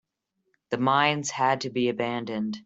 The mines had to be abandoned.